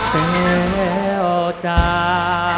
แปลว่าจ้า